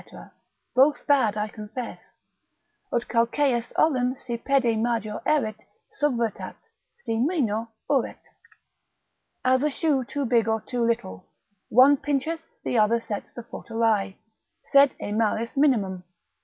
both bad, I confess, ———ut calceus olim Si pede major erit, subvertet: si minor, uret. As a shoe too big or too little, one pincheth, the other sets the foot awry, sed e malis minimum.